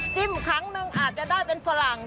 ครั้งนึงอาจจะได้เป็นฝรั่ง